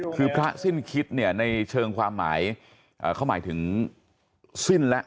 คือพระสิ้นคิดเนี่ยในเชิงความหมายเขาหมายถึงสิ้นแล้ว